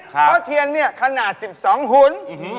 เพราะเทียนเนี่ยขนาด๑๒หุ่น